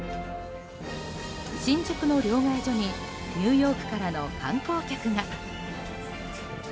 新宿の両替所にニューヨークからの観光客が。